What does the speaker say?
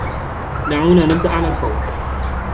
دعونا نبدأ على الفور.